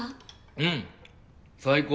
うん最高。